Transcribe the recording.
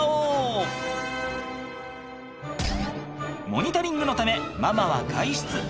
モニタリングのためママは外出。